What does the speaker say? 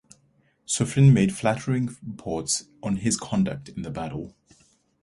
Suffren made flattering reports on his conduct in the battle.